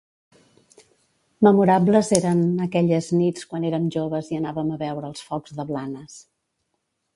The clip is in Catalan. Memorables eren aquelles nits quan erem joves i anàvem a veure els focs de Blanes.